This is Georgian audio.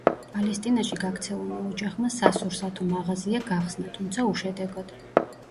პალესტინაში გაქცეულმა ოჯახმა სასურსათო მაღაზია გახსნა, თუმცა უშედეგოდ.